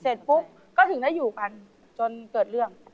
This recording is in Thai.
เสร็จปุ๊บก็ถึงได้อยู่กันจนเกิดเรื่อง